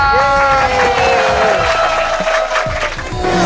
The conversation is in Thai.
เย้